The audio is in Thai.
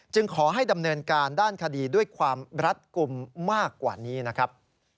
ขอให้ดำเนินการด้านคดีด้วยความรัดกลุ่มมากกว่านี้นะครับ